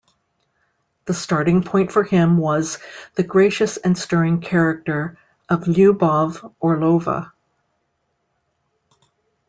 The starting point for him was the gracious and stirring character of Lyubov Orlova.